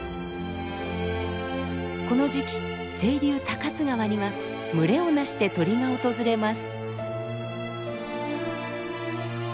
この時期清流・高津川には群れをなして鳥が訪れます。